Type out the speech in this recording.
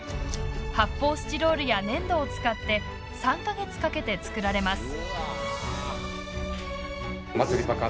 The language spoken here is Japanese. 発泡スチロールや粘土を使って３か月かけて作られます。